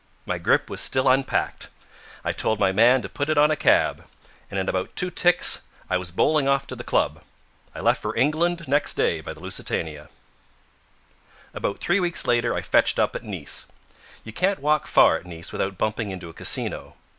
My grip was still unpacked. I told my man to put it on a cab. And in about two ticks I was bowling off to the club. I left for England next day by the Lusitania. About three weeks later I fetched up at Nice. You can't walk far at Nice without bumping into a casino.